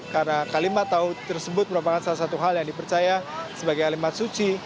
karena kalimat tahu tersebut merupakan salah satu hal yang dipercaya sebagai kalimat suci